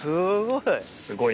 すごい。